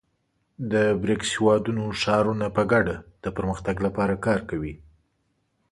د بریکس هېوادونو ښارونه په ګډه د پرمختګ لپاره کار کوي.